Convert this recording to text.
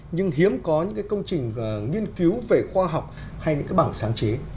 nhưng hiếm có những cái công trình nghiên cứu về khoa học hay những cái bảng sáng chế